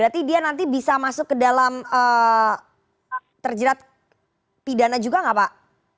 jadi dia nanti bisa masuk ke dalam terjerat pidana juga nggak pak